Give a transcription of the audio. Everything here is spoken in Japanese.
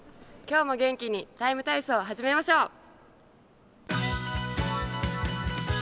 今日も元気に「ＴＩＭＥ，体操」始めましょう。